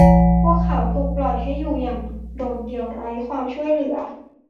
พวกเขาถูกปล่อยให้อยู่อย่างโดดเดี่ยวไร้ความช่วยเหลือ